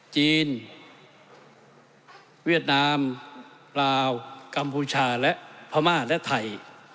จีนเวียดนามลาวกัมพูชาและพม่าและไทย